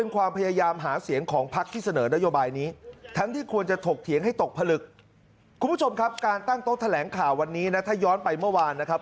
การตั้งโต๊ะแถลงข่าววันนี้นะถ้าย้อนไปเมื่อวานนะครับ